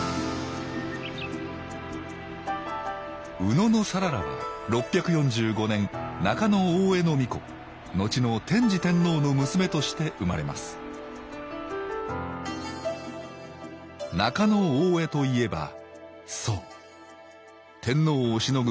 野讃良は６４５年中大兄皇子のちの天智天皇の娘として生まれます中大兄といえばそう天皇をしのぐ